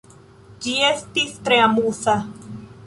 Ĝi estis tre amuza.